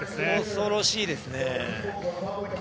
恐ろしいですね。